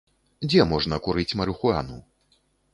Дзе можна курыць марыхуану?